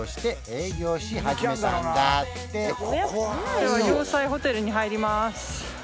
では要塞ホテルに入ります